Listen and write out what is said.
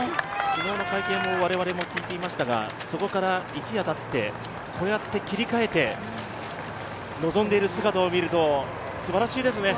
昨日の会見、我々も聞いていましたがそこから一夜たってこうやって切り替えて臨んでいる姿を見るとすばらしいですね。